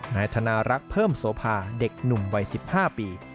นายธนารักษ์เพิ่มโสภาเด็กหนุ่มวัย๑๕ปี